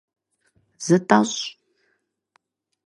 Зытӏэщӏ!